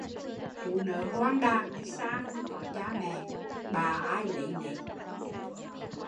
Chú nớ hoang đàng đi xa không có cha me, bạ ai lấy nấy